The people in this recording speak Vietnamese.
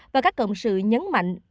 và các cộng sự nhấn mạnh